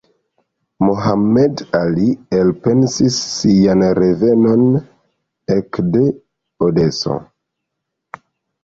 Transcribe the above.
Mohammad Ali elpensis sian revenon ekde Odeso.